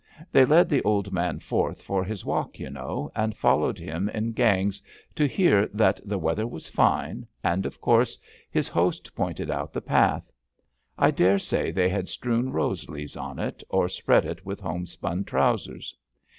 They led the old man forth for his walk, y' know, and followed him in gangs to hear that the weather was fine, and of course his host pointed out the path. I daresay they had strewn rose leaves on it, or spread it with homespun trousers.